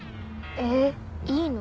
えっいいの？